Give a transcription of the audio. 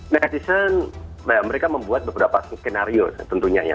netizen mereka membuat beberapa skenario tentunya ya